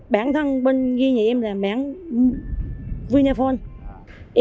bản thân bản ghi nhà em là bản vinaphone